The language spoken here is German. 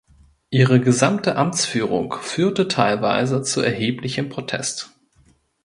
Ihre gesamte Amtsführung führte teilweise zu erheblichem Protest.